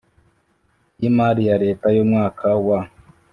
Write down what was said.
y imari ya leta y umwaka wa